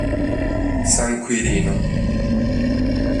San Quirino